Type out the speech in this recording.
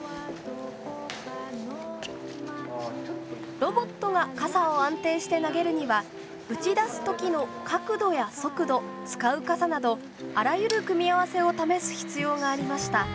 ロボットが傘を安定して投げるにはうち出す時の角度や速度使う傘などあらゆる組み合わせを試す必要がありました。